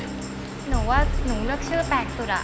หนูว่าหนูเลือกชื่อแปลกสุดอะ